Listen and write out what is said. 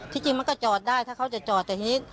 จริงมันก็จอดได้ถ้าเขาจะจอดแต่ทีนี้